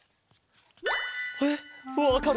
えっわかるの？